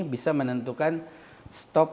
bisa menentukan stop